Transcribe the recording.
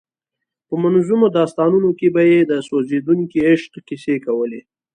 په منظومو داستانونو کې به یې د سوځېدونکي عشق کیسې کولې.